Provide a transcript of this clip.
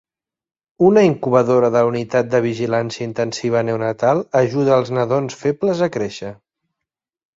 Una incubadora de la unitat de vigilància intensiva neonatal ajuda els nadons febles a créixer.